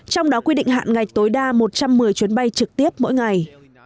trong đó quy định hạn ngạch tối đa một trăm một mươi chuyến bay trực tiếp mỗi ngày